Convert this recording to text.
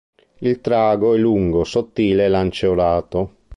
Il trago è lungo, sottile e lanceolato.